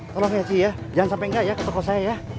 tolong ya sih ya jangan sampai enggak ya ke toko saya ya